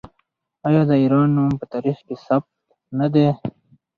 آیا د ایران نوم په تاریخ کې ثبت نه دی؟